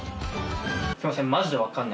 すいません。